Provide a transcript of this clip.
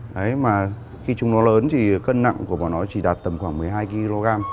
đấy mà khi chúng nó lớn thì cân nặng của bọn nó chỉ đạt tầm khoảng một mươi hai kg